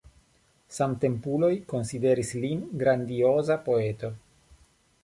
Samtempuloj konsideris lin grandioza poeto.